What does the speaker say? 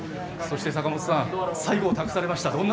そして坂本さん最後を託されました。